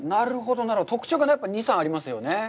特徴がやっぱり２、３ありますよね。